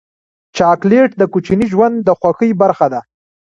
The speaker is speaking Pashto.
چاکلېټ د کوچني ژوند د خوښۍ برخه ده.